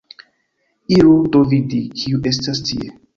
Iru do vidi, kiu estas tie.